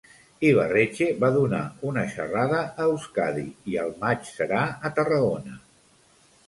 Ibarretxe va donar una xerrada a Euskadi i al maig serà a Tarragona.